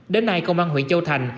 đến nay công an huyện châu thành